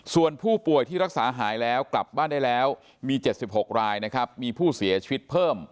ส่วนผู้ป่วยที่รักษาหายแล้วกลับบ้านได้แล้วมี๗๖รายนะครับมีผู้เสียชีวิตเพิ่ม